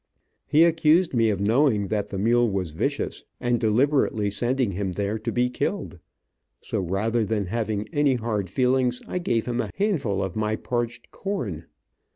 He accused me of knowing that the mule was vicious, and deliberately sending him there to be killed, so rather than have any hard feelings I gave him a handful of my parched corn.